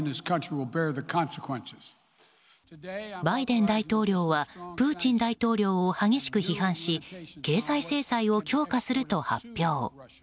バイデン大統領はプーチン大統領を激しく批判し経済制裁を強化すると発表。